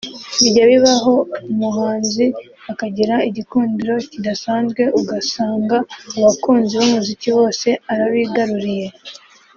Bijya bibaho umuhanzi akagira igikundiro kidasanzwe ugasanga abakunzi b’umuziki bose arabigaruriye